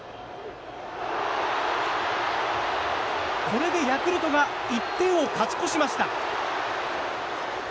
これでヤクルトが１点を勝ち越しました。